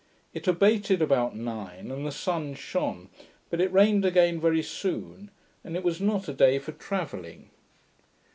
It abated about nine, and the sun shone; but it rained again very soon, and it was not a day for travelling.